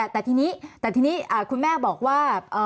แต่ทีนี้คุณแม่บอกว่า